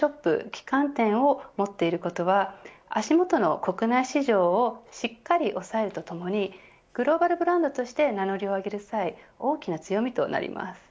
旗艦店を持っていることは足元の国内市場をしっかり抑えるとともにグローバルブランドとして名乗りを上げる際に大きな強みとなります。